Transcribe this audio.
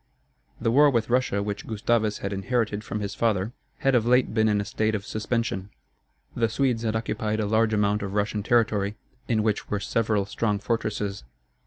The war with Russia, which Gustavus had inherited from his father, had of late been in a state of suspension. The Swedes had occupied a large amount of Russian territory, in which were several strong fortresses.